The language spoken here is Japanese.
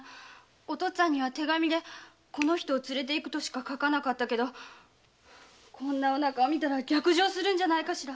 お父っつぁんには手紙で「この人を連れていく」としか書かなかったけどこんなお腹を見たら逆上するんじゃないかしら？